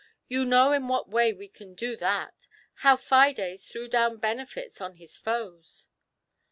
You know in what way we can do that — how Fides threw down Benefits on his foes."